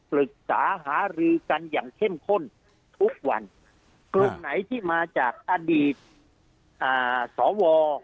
ปรึกษาหารือกันอย่างเข้มข้นทุกวันกลุ่มไหนที่มาจากอดีตอ่าสว